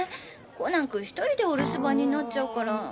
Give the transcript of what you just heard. コナン君１人でお留守番になっちゃうから。